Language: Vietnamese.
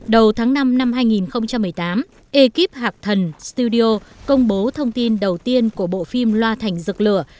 đầu tháng năm năm hai nghìn một mươi tám ekip hact thần studio công bố thông tin đầu tiên của bộ phim loa thành dược lửa